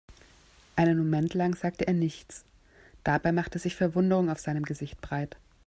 Einen Moment lang sagte er nichts, dabei machte sich Verwunderung auf seinem Gesicht breit.